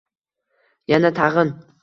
Yana-tag‘in...